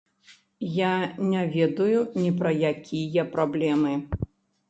Я не ведаю ні пра якія праблемы!